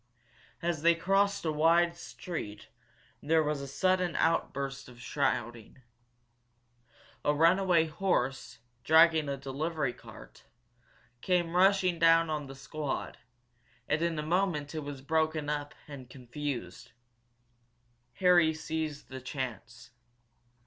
As they crossed a wide street there was a sudden outburst of shouting. A runaway horse, dragging a delivery cart, came rushing down on the squad, and in a moment it was broken up and confused. Harry seized the chance.